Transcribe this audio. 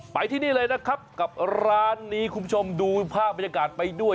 ไปที่นี่เลยนะครับกับร้านนี้คุณผู้ชมดูภาพบรรยากาศไปด้วย